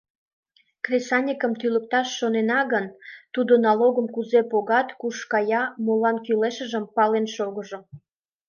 Кресаньыкым тӱлыкташ шонена гын, тудо налогым кузе погат, куш кая, молан кӱлешыжым пален шогыжо.